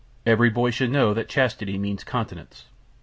Every boy should know that chastity means continence.